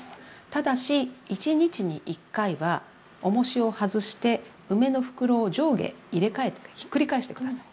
ただし１日に１回はおもしを外して梅の袋を上下入れ替えてひっくり返して下さい。